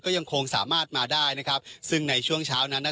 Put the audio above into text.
ยังคงสามารถมาได้นะครับซึ่งในช่วงเช้านั้นน่ะ